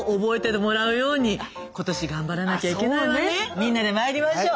みんなでまいりましょう。